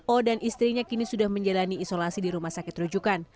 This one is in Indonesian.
o dan istrinya kini sudah menjalani isolasi di rumah sakit rujukan